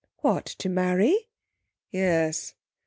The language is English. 'What, to marry?' 'Yes.'